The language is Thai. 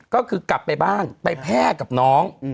ก็คือกลับไปบ้านไปแพร่กับน้อง